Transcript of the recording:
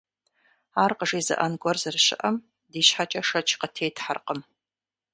Ар къажезыӀэн гуэр зэрыщыӀэм ди щхьэкӀэ шэч къытетхьэркъым.